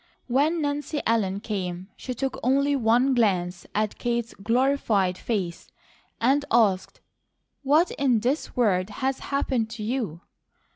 When Nancy Ellen came, she took only one glance at Kate's glorified face and asked: "What in this world has happened to you?"